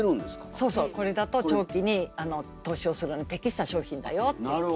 そうそうこれだと長期に投資をするのに適した商品だよっていって。